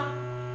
kalau ente nolak